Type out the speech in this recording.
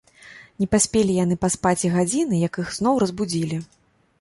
Не паспелі яны паспаць і гадзіны, як іх зноў разбудзілі.